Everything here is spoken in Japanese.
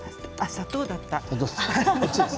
砂糖だった。